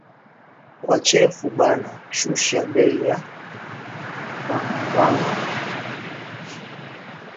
Kwa chefu bana shusha bei ya ma mpango